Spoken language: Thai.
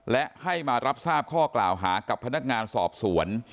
และให้มารับทราบข้อกล่าวหากับพนักงานสอบสวน